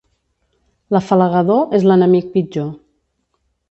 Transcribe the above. L'afalagador és l'enemic pitjor.